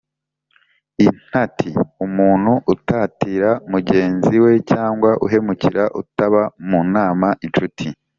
intati: umuntu utatira mugenzi we cyangwa uhemukira, utaba mu nama inshuti